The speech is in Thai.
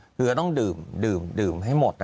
หรือต้องดื่มดื่มดื่มให้หมด